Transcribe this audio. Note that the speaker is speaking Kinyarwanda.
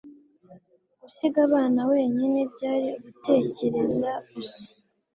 gusiga abana wenyine byari ugutekereza gusa